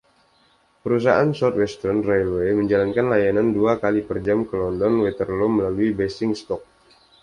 Perusahaan South Western Railway menjalankan layanan dua kali per jam ke London Waterloo melalui Basingstoke.